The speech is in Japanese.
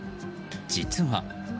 実は。